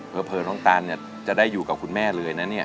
เพื่อน้องตาลจะได้อยู่กับคุณแม่เลยเนี่ย